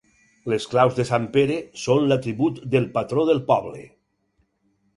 Les claus de Sant Pere són l'atribut del patró del poble.